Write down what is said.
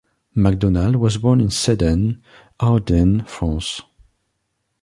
MacDonald was born in Sedan, Ardennes, France.